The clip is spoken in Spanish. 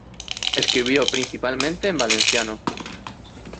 Escribió principalmente en valenciano.